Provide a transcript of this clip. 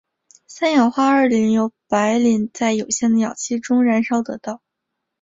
三氧化二磷由白磷在有限的氧气中燃烧得到。